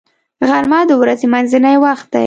غرمه د ورځې منځنی وخت دی